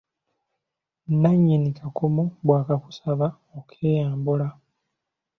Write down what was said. Nnannyini kakomo bw'akakusaba okeeyambula.